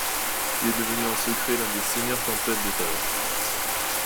Il est devenu en secret l'un des Seigneurs Tempête de Talos.